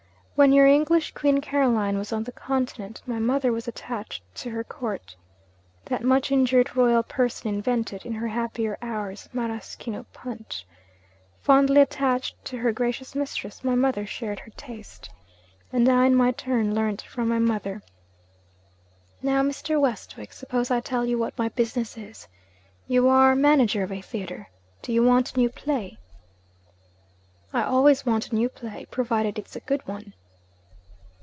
When your English Queen Caroline was on the Continent, my mother was attached to her Court. That much injured Royal Person invented, in her happier hours, maraschino punch. Fondly attached to her gracious mistress, my mother shared her tastes. And I, in my turn, learnt from my mother. Now, Mr. Westwick, suppose I tell you what my business is. You are manager of a theatre. Do you want a new play?' 'I always want a new play provided it's a good one.'